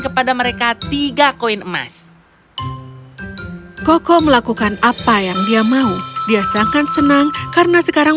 kepada mereka tiga koin emas koko melakukan apa yang dia mau dia sangkan senang karena sekarang